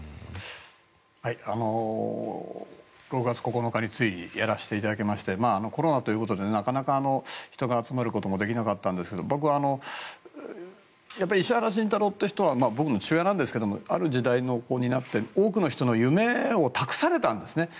６月９日にやらせていただきましてコロナということでなかなか人が集まることもできなかったんですが僕、やっぱり石原慎太郎という人は僕の父親なんですけどある時代を担って多くの人の夢を託されたんですね。